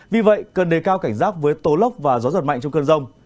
vì vậy cơn đầy cao cảnh giác với tố lốc và gió giật mạnh trong cơn rông